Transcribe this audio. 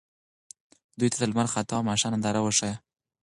دوی ته د لمر خاته او ماښام ننداره وښایئ.